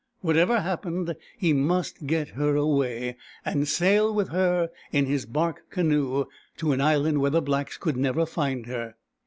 Whatever happened, he must get her away, and sail with her in his bark canoe to an island where the blacks could never find her.